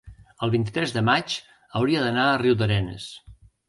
el vint-i-tres de maig hauria d'anar a Riudarenes.